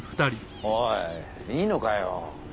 おいいいのかよ？